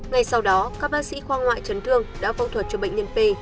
ngay sau đó các bác sĩ khoa ngoại chấn thương đã phẫu thuật cho bệnh nhân p